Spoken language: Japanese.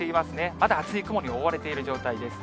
まだ厚い雲に覆われている状態です。